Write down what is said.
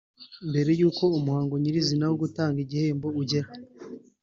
Mbere y’uko umuhango nyir’izina wo gutanga ibihembo ugera